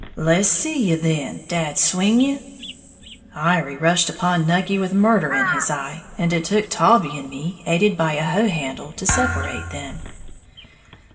"Le's see you then, dad swinge you!" Iry rushed upon Nucky with murder in his eye, and it took Taulbee and me, aided by a hoe handle, to separate them.